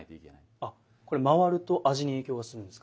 あっこれ回ると味に影響するんですか。